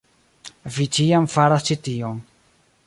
Vi ĉiam faras ĉi tion